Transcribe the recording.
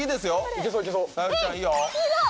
いけそういけそう。